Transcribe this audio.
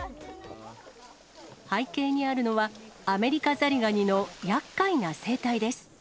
背景にあるのは、アメリカザリガニのやっかいな生態です。